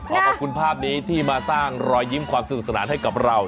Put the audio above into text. ขอบคุณภาพนี้ที่มาสร้างรอยยิ้มความสนุกสนานให้กับเรา